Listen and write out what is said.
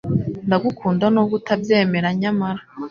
Ndagukunda nubwo utabyemera nyamara